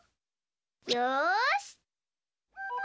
よし。